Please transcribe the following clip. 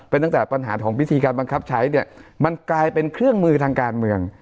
เป็นตั้งแต่ปัญหาของวิธีการบังคับใช้เนี่ยมันกลายเป็นเครื่องมือทางการเมือง